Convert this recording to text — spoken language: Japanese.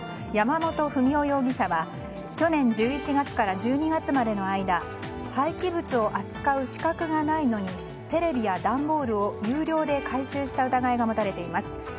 山本文雄容疑者は去年１１月から１２月までの間廃棄物を扱う資格がないのにテレビや段ボールを有料で回収した疑いが持たれています。